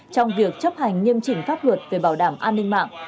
trong việc chấp hành nghiêm chỉnh pháp luật về bảo đảm an ninh mạng